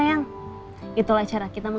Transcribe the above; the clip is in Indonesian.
sumpah tema teman disini